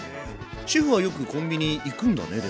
シェフはよくコンビニ行くんだねでも。